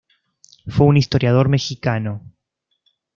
Fue un historiador mexicano.